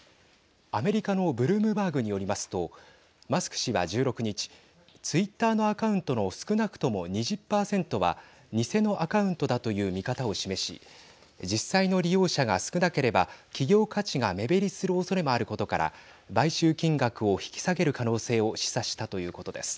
アメリカのブルームバーグによりますとマスク氏は１６日ツイッターのアカウントの少なくとも２０％は偽のアカウントだという見方を示し実際の利用者が少なければ企業価値が目減りするおそれもあることから買収金額を引き下げる可能性を示唆したということです。